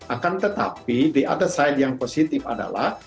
akan tetapi di atas side yang positif adalah